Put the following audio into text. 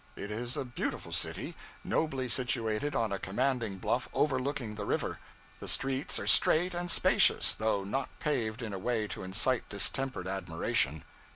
It is a beautiful city, nobly situated on a commanding bluff overlooking the river. The streets are straight and spacious, though not paved in a way to incite distempered admiration.